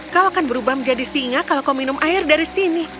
kau akan berubah menjadi singa kalau kau minum air dari sini